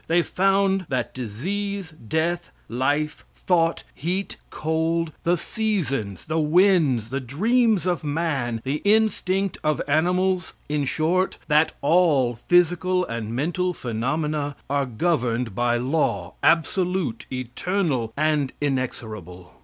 They found: that disease, death, life, thought, heat, cold, the seasons, the winds, the dreams of man, the instinct of animals in short, that all physical and mental phenomena are governed by law, absolute, eternal and inexorable.